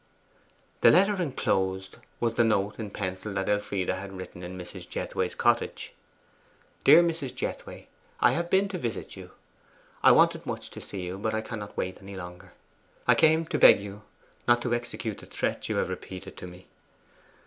The letter enclosed was the note in pencil that Elfride had written in Mrs. Jethway's cottage: 'DEAR MRS. JETHWAY, I have been to visit you. I wanted much to see you, but I cannot wait any longer. I came to beg you not to execute the threats you have repeated to me.